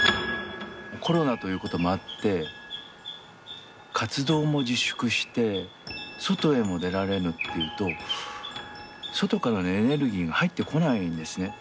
コロナということもあって活動も自粛して外へも出られぬっていうと外からのエネルギーが入ってこないんですね。